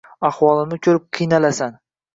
Ahvolimni ko‘rib qiynalasan.